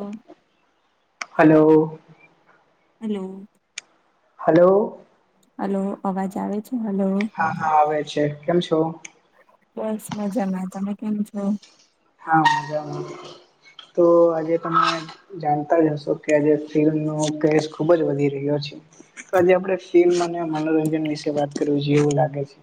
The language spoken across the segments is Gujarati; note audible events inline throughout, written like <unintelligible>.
ઓ હલો હેલો હલો હલો અવાજ આવે છે હલો. હા હા આવે છે કેમ છો. બસ મજામાં તમે કેમ છો. હા મજામાં તો આજે તમે. જાણતા જ હશો કે આજે ફિલ્મ નો કેસ ખુબ જ વધી રહ્યો છે આજે આપણે. મને મનોરંજન વિશે વાત કરવુ જોઈએ એવું લાગે છે.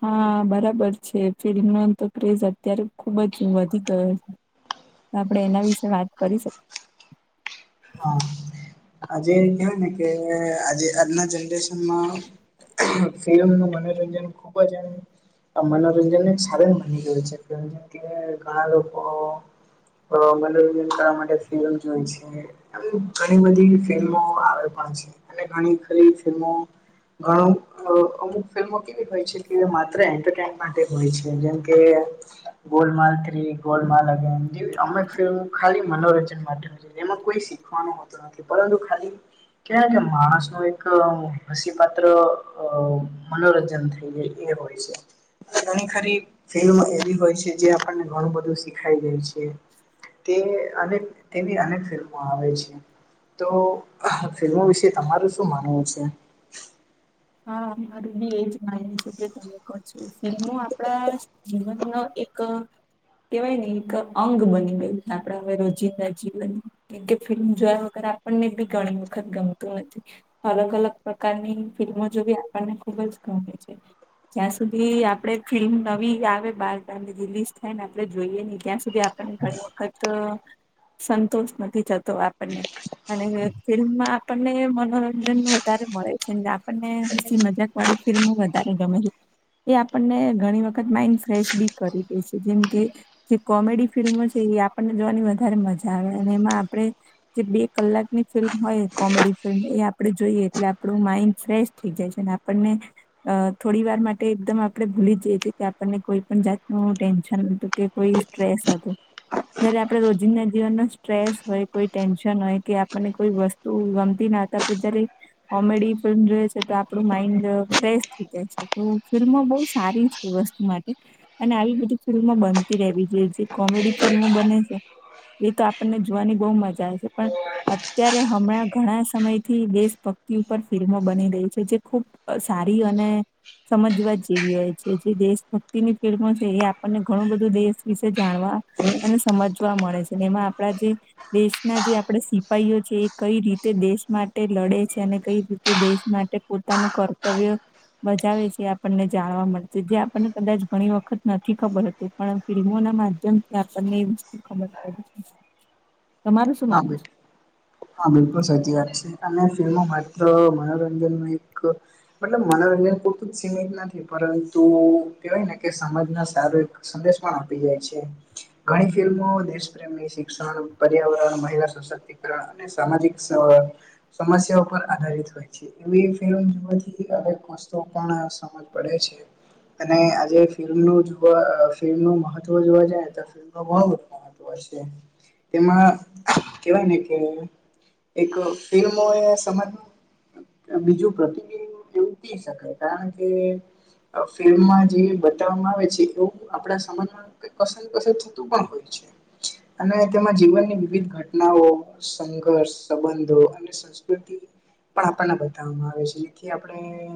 હા બરાબર છે ફિલ્મ નો તો ક્રેઝ અત્યારે ખુબ જ વધી ગયો છે. તો આપડણે એના વિશે વાત કરી શકીએ. હા આજે કેહેવાય ને કે આજ આજના જનરેશનમાં ફિલ્મ નું મનોરંજન ખુબ જ એમ આ મનોરંજન એક સાધન બની ગયો છે <unintelligible> કે ઘણા લોકો અ મનોરંજન કરવા માટે ફિલ્મ જોય છે એમ ઘણી બધી ફિલ્મો આવે પણ છે અને ઘણી ખરી ફિલ્મો ઘણું. અમુક ફિલ્મો કેવી હોય છે કે માત્ર એન્ટરટેન્ટ હોય છે જેમ કે ગોલમાલ થ્રી ગોલમાલ અગેન જેવી અમક ફિલ્મ ખાલી મનોરંજન માટે એમાં કોઈ શીખવાનું હોતું નથી પરંતુ ખાલી કવા કે માણસ નું એક હસી પાત્ર મનોરંજન થઈ જાય એ. હોય છે. ઘણી ખરી ફિલ્મ એવી હોય છે જે આપણને ઘણું બધું શીખાઈ જાય છે. તે અનેક તેની અનેક ફિલ્મો આવે છે. તો ફિલ્મો વિશે તમારું શું માનવું છે. હા મારું બી એજ માનવુ છે તે ત ફિલ્મો આપડા જીવન નો એક કેવાય ને એક અંગ બની ગયું છે આપણા હવે રોજિંદા જીવન કેમ કે ફિલ્મ જોયા વગરે આપણને બી ઘણી વખત ગમતું નથી અલગ અલગ પ્રકારની ફિલ્મો જોવી આપણને ખુબ જ ગમે છે. ત્યાં સુધી આપડે ફિલ્મ નવી આવે બાર રિલીઝ થાય ને આપડે જોઈએ નહી ત્યાં સુધી ઘણી વખત સંતોષ નથી થતો આપણને અને ફિલ્મમાં આપણને મનોરંજન વધારે મળે છે. આપને હ મજાક વાળી ફિલ્મો વધારે ગમે એ આપણને ઘણી વખત માઈન્ડ ફ્રેશ બી કરી દે છે જેમ કે જે કોમેડી ફિલ્મો છે એ આપણને જોવાની વધારે મજા આવે અને એમાં આપણે જે બે કલાકની ફિલ્મ હોય કોમેડી ફિલ્મ એ આપડે જોઈએ એટલે આપણું માઇન્ડ ફ્રેશ થઈ જાય છે આપણને અ થોડી વાર માટે એકદમ આપડે ભૂલી જઈએ છીએ કે આપણને કોઈ પણ જાતનું ટેન્શન હતું કે કોઈ સ્ટ્રેસ હત જયારે આપડણે રોજિંદા જીવનનો સ્ટ્રેસ હોય કોઈ ટેન્શન હોય કે આપણને કોઈ વસ્તુ તો ગમતી નાતા જારે કોમેડી ફિલ્મ જોય છે તો આપણું માઈન્ડ ફ્રેશ થઈ જાય છે. તો ફિલ્મો બહુ સારી છે વસ્તુ માટે અને આવી બધી ફિલ્મો બનતી રહેવી જોઈએ જે કોમેડી ફિલ્મો બને છે. એ તો આપણને જોવાની બહુ મજા આવે છે પણ અત્યારે હમણાં ઘણા સમય થી દેશભક્તિ ઉપર ફિલ્મો બની રહી છે જે ખૂબ સારી અને સમજવા જેવી હોય છે જે દેશ ભક્તિની ફિલ્મો છે એ આપણને ઘણું બધું દેશ વિશે જાણવા અને સમજવા મળે છેને એમાં આપણા જે દેશના જે આપડ સિપાહીઓ છે એ કઈ રીતે દેશ માટે લડે છે અને કઈ તે દેશ માટે પોતાનું કર્તવ્ય બજાવે છે આપણને જાણવા મળશે જે આપણને કદાચ ઘણી વખત નથી ખબર હતી પણ ફિલ્મો ના માધ્યમથી આપણને એ વસ્તુ ખબર પડી જસે હા ભાઈ હા બિલકુલ સાચી વાત છે અને ફિલ્મો માત્ર મનોરંજન ન એક મતલબ મનોરંજન પૂરતું જ સીમિત નથી પરંતુ કહેવાય ને કે સમાજના સારો એક સંદેશ પણ આપી જાય છે ઘણી ફિલ્મો દેશ પ્રેમી શિક્ષણ પર્યાવરણ મહિલા સશક્તિકરણ અને સામાજિક સમસ્યા પર આધારિત હોય છે. એ ફિલ્મ જોવા અનેક વસ્તુ પણ સમજ પડે છે. અને આજે ફિલ્મનું જોવા ફિલ્મનું મહત્વ જોવા જ ને તો તો બહુ મહત્વ છે તેમાં કેવાય ને કે એક ફિલ્મો એ સમજ બીજું પ્રતિબિન એવું ક શકાય કારણ કે ફિલ્મમાં જે બતાવવામાં આવે છે એવું આપડા સમાજ માં કસ કસર થતું પણ હોય છે અને તેમાં જીવનની વિવિધ ઘટનાઓ સંઘર્ષ સંબંધો અને સંસ્કૃતિ પણ આપણને બતાવવામાં આવે છે જેથી આપણે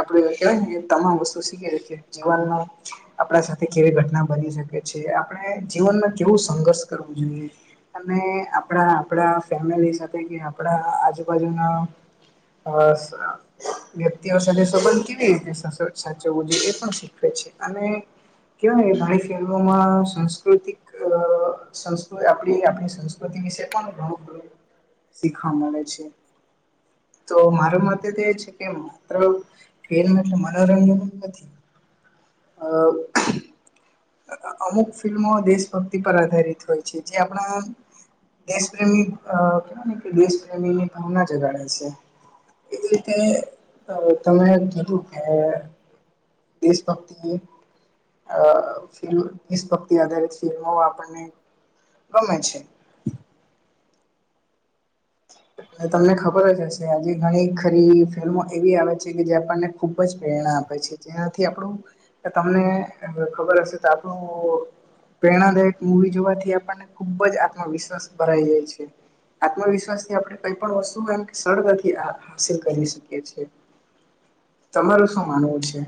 આપડે કેવાય તમામ વસ્તુ શીખ જીવન આપણા સાથે કેવી ઘટના બની શકે છે આપણે જીવનમા કેવું સંઘર્ષ કરવું જોઈએ અને આપણા આપણા ફેમિલી સાથે કે આપણા આજુબાજુના વ્યક્તિઓ સાથે સંબંધ કેવી રીતે સાચવવું જોઈએ એ પણ શીખવે છે અને કેવા ઘણી ફિલ્મોમાં સાસ્કૃતિકૃ આપણી સંસ્કૃતિ વિશે પણ ઘણું શીખવા મળે છે. તો મારો મત તો એ છે કે માત્ર <unintelligible> એટલે મનોરંજન નથી અ અ અમુક ફિલ્મો દેશભક્તિ પર આધારિત હોય છે જે આપણા દેશ પ્રેમી અ કેવા ને કે દેશ પ્રેમી ની ભાવના જગાડે છે એ રીતે તમે જોયું કે દેશ ભક્તિએ અ ફિલ્મ દેશભક્તિ આધારિત ફિલ્મો આપણને ગમે છે <inaudible> અને તમને ખબર જ હશે આજે ઘણી ખરી ફિલ્મો એવી આવે છે કે જે આપણને ખૂબ જ પ્રેરણા આપે છે. જેનાથી આપણું તમને ખબર હશે તો આપણું પ્રેરણાદાયક મુવી જોવાથી આપણને ખુબ જ આત્મવિશ્વાસ ભરાઈ જાય છે આત્મવિશ્વાસ આપણે કઈ પણ વસ્તુ સરલતાથી હાંસિલ કરી શકીએ છીએ તમારું શું માનવું છે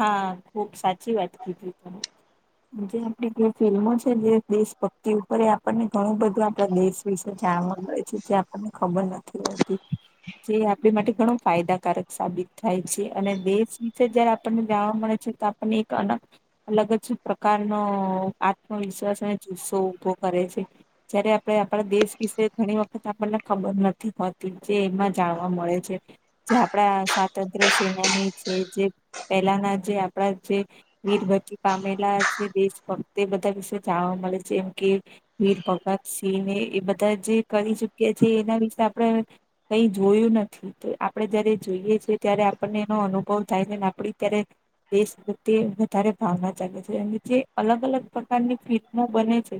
હા ખુબ સાચી વાત કીધી તમે જે આપડી જે ફિલ્મો છે જે દેશ ભક્તિ ઉપર એ આપણને ઘણું બધું આપડા દેશ વિશે જાણવા મળે છે જે આપણને ખબર નથી હોતી જે આપણી માટે ઘણો ફાયદાકારક સાબિત થાય છે અને દેશ વિશે જ્યારે આ આપણને જાણવા મળે છે તો આપણને એક અલગ જ પ્રકારનો આત્મવિશ્વાસ અને જુસ્સો ઊભો કરે છે જયારે આપણે આપણા દેશ વિશે ઘણી વખત આપણને ખબર નથી હોતી જે એમાં જાણવા મળે છે જે આપણા સ્વાતંત્ર્ય સેનાની છે જે પહેલાના જે આપણા જે વીરગતિ પામેલા છે દેશ ભક્તે બધા વિશે જાણવા મળે છે જેમ કે વીર ભગત સિંહ ને એ બધા જે કરી ચુક્યા છે એના વિશે આપણે કઈ જોયું નથી તો આપડે જયારે જોઈએ છીએ ત્યારે આપણને એનો અનુભવ થાયને ના આપડી ત્યારે દેશ પ્રત્યે વધારે ભાવના જાગે છે અને જે અલગ અલગ પ્રકારની ફિલ્મો બને છે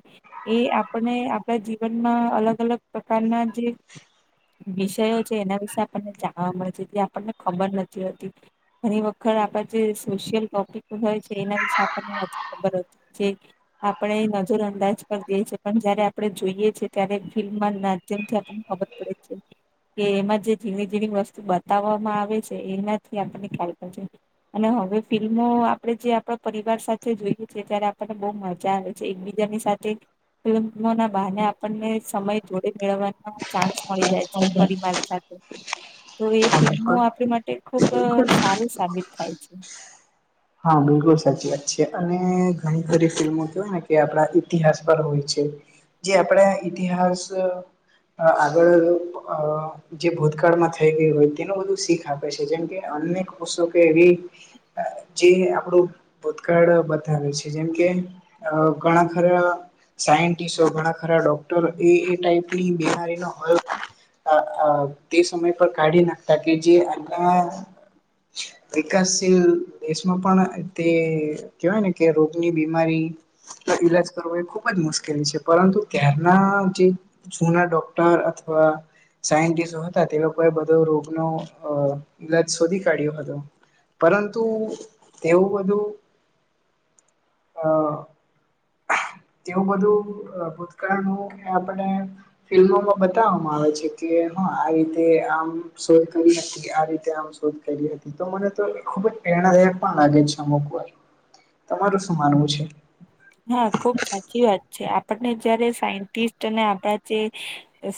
એ આપણે આપડા જીવનમાં અલગ અલગ પ્રકારના જે વિષયો છે એના વિશે આપણને જાણવા મળે છે જે આપણને ખબર નથી હોતી ઘણી વખત ખર આપણા જે સોશિયલ ટોપિક હોય છે એના વિશે આપણને નથી ખબર હોતી જે આપણે નજર અંદાજ કરી દેએ છીએ પણ જયારે આપણે જોઈએ છેએ ત્યારે ફિલ્મ માધ્યમથી આપને ખબર કે એમાં જે ઝીણી ઝીણી વસ્તુ બતાવવામાં આવે છે એનાથી આપને ખ <unintelligible> અને હવે ફિલ્મો આપડે જે આપણા પરિવાર સાથે જોઈએ છે ત્યારે આપણને બહૂ મજા આવે એકબીજાની સાથે ફિલ્મ ના બાહાને આપણને સમય જોડે મેળવવાના ચાન્સ મળી જાય છે પરિવાર સાથે તો એ ફિલ્મો આપણી માટે ખુબ સારું સાબિત થાય છે હા બિલકુલ સાચી વાત છે અને ઘણી બધી ફિલ્મો કેવાય ને કે આપણા ઈતિહાસ પર હોય છે જે આપણે ઇતિહાસ આગળ અ જે ભૂતકાળમાં થઈ ગયું હોય તેનું બધું શીખ આપે છે જેમ કે અન્યષો કે એવી <inaudible> જે આપણું ભૂતકાળ બતાવે છે જેમકે અ ઘણા ખરા સાયન્ટિસ્ટો ઘણા ખરા ડોક્ટરો એ એટાઈપની બીમારી ન હોય અ અ તે સમય પર કાઢી નાખતા કે જે આણા વિકાસશીલ દેશમાં પણ તે કહેવાય ને કે રોગની બીમારી ઈલાજ કરવો એ ખુબ જ મુશ્કેલી છે પરંતુ ત્યારના જે જૂના ડોક્ટર અથવા સાયિસ્ટ હતા તે લોકોએ બધો રોગનો અ ઈલાજ શોધી કાઢ્યો હતો પરંતુ તેવું બધું અ તેવું બધું ભૂતકાળ નુ આપને ફિલ્મોમાં બતાવવામાં આવે છે કે હા આ રીતે આમ શોધ કરી આ રીતે આમ શોધ કરી હતી તો મને તો ખૂબ જ પ્રેરણાદાયક <unintelligible> અમુક વાર તમારું શું માનવું છે હા ખુબ સાચી વાત છે આપણને જયારે સાયન્ટિસ્ટ અને આપડા જે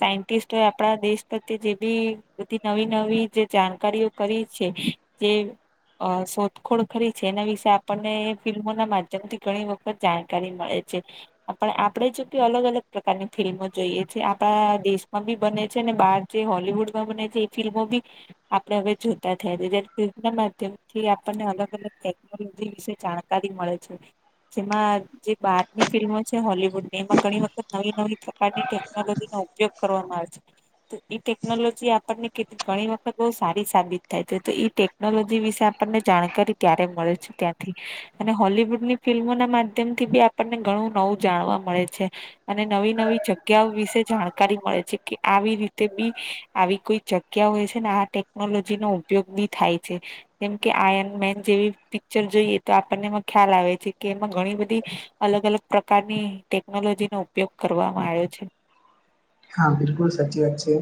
સાયન્ટિસ્ટો એ આપણા દેશ પ્રત્યે જે બી બધી નવી નવી જે જાણકારીઓ કરી છે જે શોધખોળ કરી છે એના વિશે આપણને ફિલ્મોના માધ્યમ થી ઘણી વખ જાણકારી મળે છે પણ આપણે જો કે અલગ અલગ પ્રકારની ફિલ્મો જોઈએ છેીએ આપણા દેશમાં બી બને છે ને બહાર જે હોલીવુંડમાં બને જે એ ફિલ્મોં બી આપડણે હવે જોતા થયા છીએ જ્યારે ના માધ્યમ થી આપણને અલગ અલગ ટેકનોલોજી વિશે જાણ નકરી મળે છે જેમાં જે બહારની ફિલ્મો છે હોલીવુડ ની એમાં ઘણી વખત નવી નવી પ્રકારની ટેકનોલોજી નો ઉપયોગ કરવામાં આવે છે ટેકનોલોજી આપણને કે ઘણી વખત બોહ સારી સાબિત થાય છે તો એ ટે ટેકનોલોજી વિશે આપણને જાણકારી ત્યારે મળે છે ત્યાંથી અને હોલીવુડની ફિલ્મો ના માધ્યમ થી બી આપણને ઘણું નવું જાણવા મળે છે અને નવી નવી જગ્યાઓ વિશે જાણકારી મળે છે કે આવી રીતે બી આવી કોઈ જ ક્યા હોય છે ને આ ટેકનોલોજી નો ઉપયોગ બી થાય છે જેમ કે આયન મેન જેવી પિક્ચર જોઈએ તો આપણને એમાં ખ્યાલ આવે છે કે એમાં ઘણી બધી અલગ અલગ પ્રકારની ટેકનોલોજી નો ઉપયોગ કરવામાં આવ્યો છે હા બિલકુલ સાચી વાત છે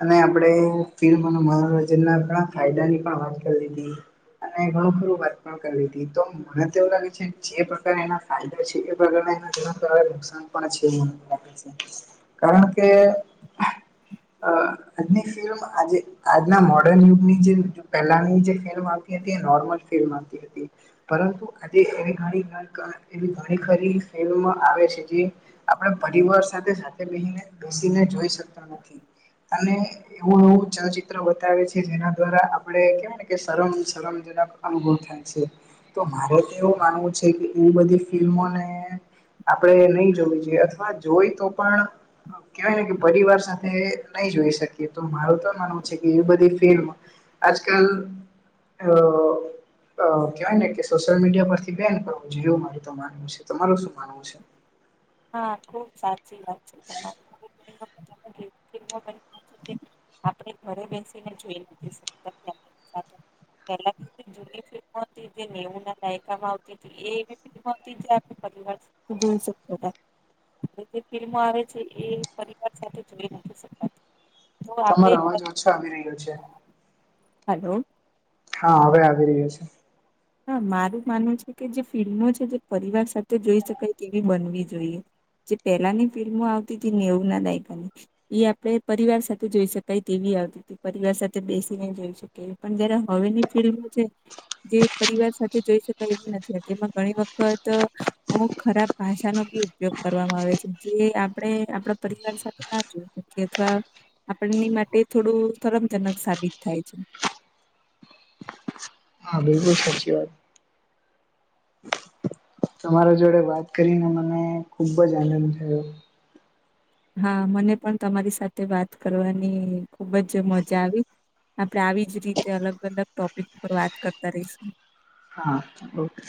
અને આપણે ફિલ્મ મનોરંજન ના ફાયદા ની પણ વાત કરી લીધી અને ઘણું ખરું વા કરવી તી તો મને તો એવું લાગે છે જે પ્રકાર ણા એના ફાયદા છે એ પ્રકાર નાં એના ઘણા ખરા નુકસાન પણ છે એના કારણ કે અ અજની ફિલ્મ આજે આજના મોડર્ન યુગની જે પહેલાની જે ફિલ્મ આવતી હતી એ નોર્મલ ફિલ્મ આવતી હતી પરંતુ આજે એણી ખની <unintelligible> એવી ઘણી ખરી ફિલ્મ આવે છે જે આપણા પરિવાર સાથે સાથે બેહીને સીને જોઈ શકતા નથી અને એવું એવું ચલચિત્ર બતાવે છે જેના દ્વારા આપદે કેવું કે શરમ શરમજનક અનુભવ થાય છે તો મારે એવું માનવું છે કે એ બધી ફિલ્મોને આપણેે નહી જોવી જોઈએ અથવા જોઈ તો પણ કેવાયને કે પરિવાર સાથે નહી જોઈ શકીએ તો મારું તો માનવું છે કે એ બધી ફિલ્મ આજકલ અઅ કવાય ને કે સોશિયલ મીડિયા પરથી બેન થવું જોઈએ એવું મારુ તો મા માનવું છે તમારું શું માનવું છે હા ખુબ સાચી વાત છે <inaudible> આપણે ઘરે બેસીને જોઈ નથીકતા પહેલા. જે મુવી નેવુ ના દાયકામાં આવતી હતી એવી ફિલ્મો હતી જે આપ પરિર બ શ જે ફિલ્મો આવે છે એ પરિવાર સાથે જોઈ નથી શકાય. તો આપે. તમારો અવાજ ઓછો આવી રહ્યો છે હેલો. હા હવે આવી રહ્યા છે. હા મારું માનવું છે કે જે ફિલ્મો છે જે પરિવાર સાથે જોઈ શકાય તેવી બનવી જોઈએ. જે પહેલાની ફિલ્મો આવતી હતી નેવું ના દાયકાની. એ આપડે પરિવાર સાથે જોઈ શકાય તેવી આવતી. પરિવાર સાથે બેસીને જોઈ શકે પણ જરા હવેની ફિલ્ડમાં છે. જે પરિવાર સાથે જોઈ શકાય એવી નથી અ એમાં ઘણી વખત અમુક ખરાબ ભાષાનો બી ઉપયોગ કરવામાં આવે છે જે આપણે આપણા પરિવાર સાથે ના જોઈ શકીએ અથવા આપણની માટે થોડું શરમજનક સાબિત થાય છે. હા બલકુ સાચી વાત તમારા જોડે વાત કરીને મને ખુબ જ આનંદ થયો. હા મને પણ તમારી સાથે વાત કરવાની ખુબ જ મજા આવી. આપડણે આવી જ રીતે અલગ અલગ ટોપિક ઉપર વાત કરતા રહીશું. હા ઓકે.